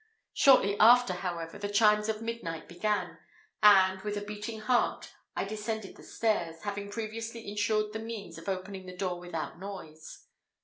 Shortly after, however, the chimes of midnight began; and, with a beating heart, I descended the stairs, having previously insured the means of opening the door without noise.